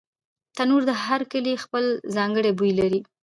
تنور د هر کلي خپل ځانګړی بوی لري